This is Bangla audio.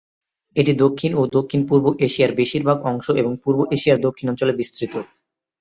এটি দক্ষিণ ও দক্ষিণ-পূর্ব এশিয়ার বেশিরভাগ অংশ এবং পূর্ব এশিয়ার দক্ষিণাঞ্চলে বিস্তৃত।